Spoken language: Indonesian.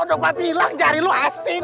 udah gua bilang jari lu hasting